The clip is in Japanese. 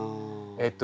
えっと